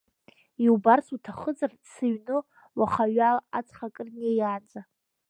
Иубарц уҭахызар, сыҩны уахаҩала аҵх акыр инеиаанӡа.